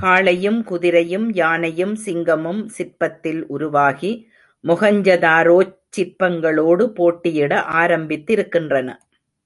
காளையும், குதிரையும், யானையும், சிங்கமும் சிற்பத்தில் உருவாகி, மொஹஞ்சதாரோச் சிற்பங்களோடு போட்டியிட ஆரம்பித்திருக்கின்றன.